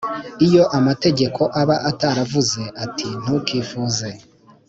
Iyo amategeko aba ataravuze ati ntukifuze